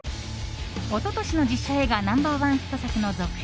一昨年の実写映画ナンバー１ヒット作の続編